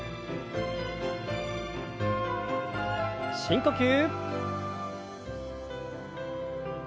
深呼吸。